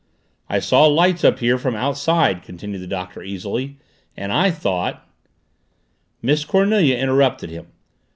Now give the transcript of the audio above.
"I saw lights up here from outside," continued the Doctor easily. "And I thought " Miss Cornelia interrupted him.